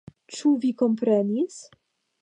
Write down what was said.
Ĉu vi komprenis?